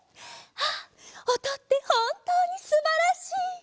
ああおとってほんとうにすばらしい！